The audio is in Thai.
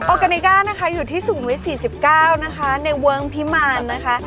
กาเนก้านะคะอยู่ที่สูงไว้๔๙นะคะในเวิร์คพิมารนะคะ